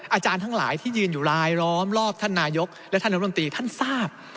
อาจารย์ทั้งหลายที่ยืนอยู่ลายล้อมรอบท่านนายกและท่านรัฐมนตรีท่านทราบ